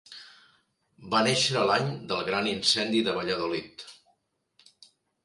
Va néixer l'any del gran incendi de Valladolid.